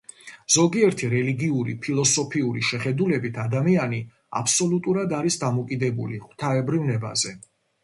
ზოგიერთი რელიგიური ფილოსოფიური შეხედულებით ადამიანი აბსოლუტურად არის დამოკიდებული ღვთაებრივ ნებაზე.